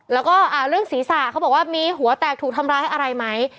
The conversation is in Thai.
แล้วก็เรื่องศีรษะเขาบอกว่ามีหัวแตกถูกทำร้ายอะไรไหม